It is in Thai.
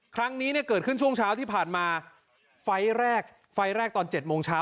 ครั้งนี้เนี่ยเกิดขึ้นช่วงเช้าที่ผ่านมาไฟล์แรกไฟล์แรกตอน๗โมงเช้า